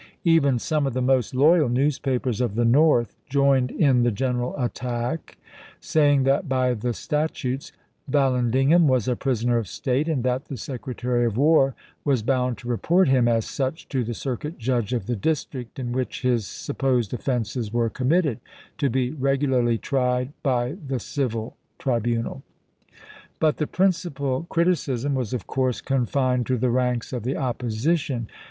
Even some of the most loyal newspapers of the North joined in the general attack, saying that, by the statutes, Val landigham was a prisoner of state, and that the Secretary of War was bound to report him as such to the circuit judge of the district in which his sup posed offenses were committed, to be regularly tried by the civil tribunal. But the principal criticism was, of course, confined to the ranks of the opposi tion.